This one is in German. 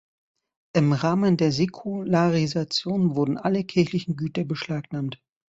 Im Rahmen der Säkularisation wurden alle kirchlichen Güter beschlagnahmt.